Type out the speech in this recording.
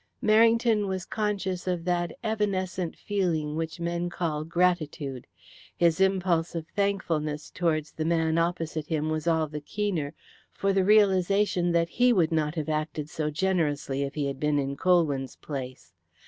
Merrington was conscious of that evanescent feeling which men call gratitude. His impulse of thankfulness towards the man opposite him was all the keener for the realization that he would not have acted so generously if he had been in Colwyn's place.